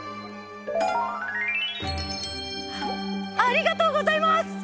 ありがとうございます！